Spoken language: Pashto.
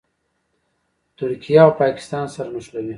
ترکیه او پاکستان سره نښلوي.